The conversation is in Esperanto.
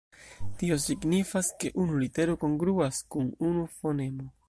Tio signifas ke unu litero kongruas kun unu fonemo.